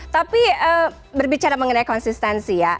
tapi berbicara mengenai konsistensi ya